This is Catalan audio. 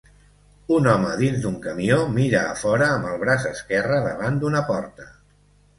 Un home dins d'un camió mira a fora amb el braç esquerre davant d'una porta.